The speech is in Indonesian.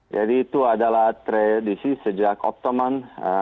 jadi itu adalah tradisi sejak ottoman